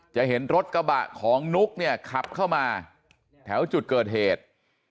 จะเห็นรถกระบะของนุ๊กเนี่ยขับเข้ามาแถวจุดเกิดเหตุ